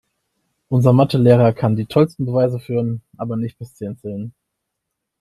Unser Mathe-Lehrer kann die tollsten Beweise führen, aber nicht bis zehn zählen.